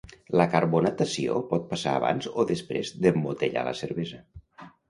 La carbonatació pot passar abans o després d'embotellar la cervesa.